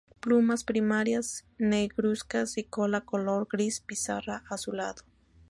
Plumas primarias negruzcas y cola color gris pizarra azulado.